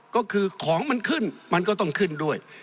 ก็คือของมันขึ้นมันก็ต้องขึ้นด้วย